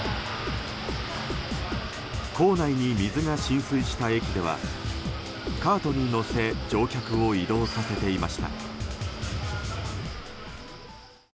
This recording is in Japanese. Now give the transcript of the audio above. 構内に水が浸水した駅ではカートに乗せ乗客を移動させていました。